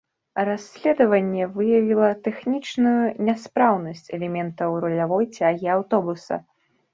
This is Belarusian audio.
Расследаванне выявіла тэхнічную няспраўнасць элементаў рулявой цягі аўтобуса.